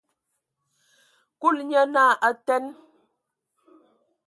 Kulu nye naa: A teen!